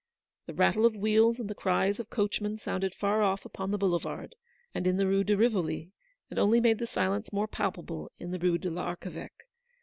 The rattle of wheels and the cries of coachmen sounded far off upon the Boulevard, and in the Rue de Eivoli, and only made the silence more palpable in the Rue de l'Archeveque.